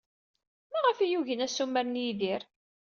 Maɣef ay ugin assumer n Yidir?